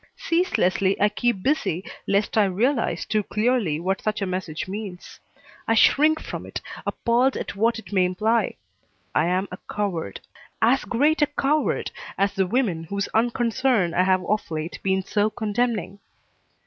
Ceaselessly I keep busy lest I realize too clearly what such a message means. I shrink from it, appalled at what it may imply. I am a coward. As great a coward as the women whose unconcern I have of late been so condemning.